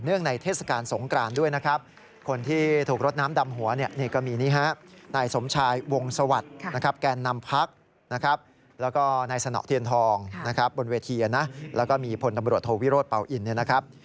เนื่องในเทศกาลสงครานด้วยนะครับ